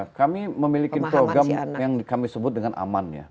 ya kami memiliki program yang kami sebut dengan aman ya